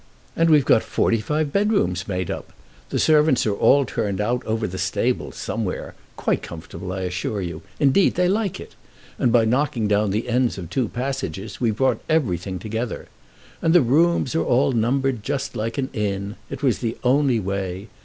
And we've got forty five bedrooms made up. The servants are all turned out over the stables somewhere, quite comfortable, I assure you. Indeed they like it. And by knocking down the ends of two passages we've brought everything together. And the rooms are all numbered just like an inn. It was the only way.